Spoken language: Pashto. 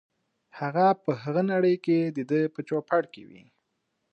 هغه په هغه نړۍ کې دده په چوپړ کې وي.